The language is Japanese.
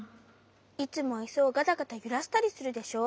いつもイスをガタガタゆらしたりするでしょ？